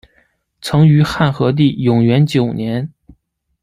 曾于汉和帝永元九年。